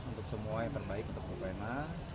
untuk semua yang terbaik untuk bu fena